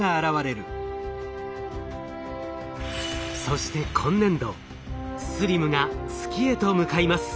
そして今年度ＳＬＩＭが月へと向かいます。